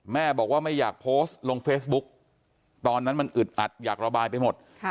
แม่บอกว่าไม่อยากโพสต์ลงเฟซบุ๊กตอนนั้นมันอึดอัดอยากระบายไปหมด